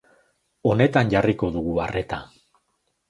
Honetan jarriko dugu arreta.